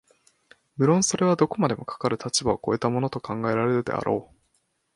無論それはどこまでもかかる立場を越えたものと考えられるであろう、